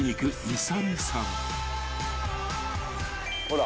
ほら。